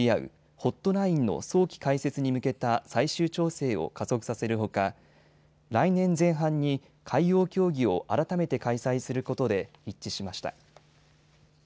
ホットラインの早期開設に向けた最終調整を加速させるほか来年前半に海洋協議を改めて開催することで一致しました。